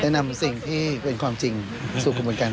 นำสิ่งที่เป็นความจริงสู่คุณเหมือนกัน